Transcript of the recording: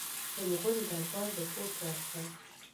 د مغولو دربار رپوټ ورکړ.